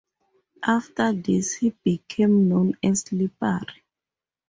After this he became known as 'Slippery'.